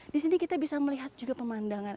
di sini kita bisa melihat juga pemandangan